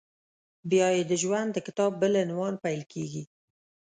بیا یې د ژوند د کتاب بل عنوان پیل کېږي…